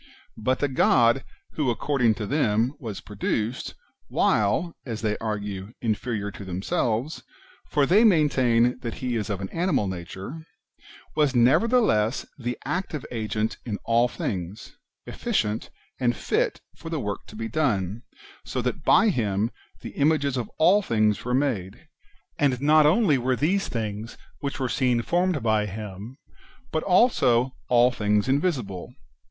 But the God who, according to them, was produced, while, as they argue, inferior to themselves (for they maintain that he is of an animal nature), was nevertheless the active agent in all things, efficient, and fit for the work to be done, so that by him the images of all things were made ; and not only were these things which are seen formed by him, but also all things invisible.